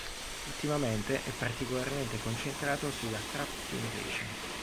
Ultimamente è particolarmente concentrato sulla Trap Generation.